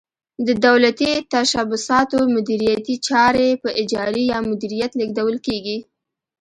د دولتي تشبثاتو مدیریتي چارې په اجارې یا مدیریت لیږدول کیږي.